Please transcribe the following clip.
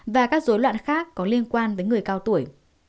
và các dối loạn khác có liên quan đến người cao tuổi